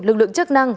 lực lượng chức năng